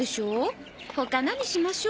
他のにしましょ。